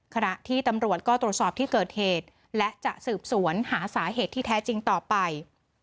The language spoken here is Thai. ขณะที่ตำรวจก็ตรวจสอบที่เกิดเหตุและจะสืบสวนหาสาเหตุที่แท้จริงต่อไป